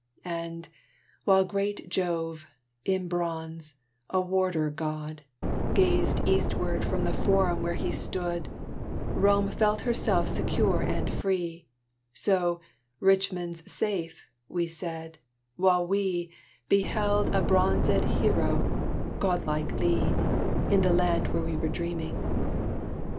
As, while great Jove, in bronze, a warder God, Gazed eastward from the Forum where he stood, Rome felt herself secure and free, So, "Richmond's safe," we said, while we Beheld a bronzèd hero God like Lee, In the land where we were dreaming.